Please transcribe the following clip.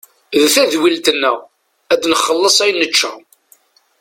D tadwilt-nneɣ ad nxelles ayen nečča.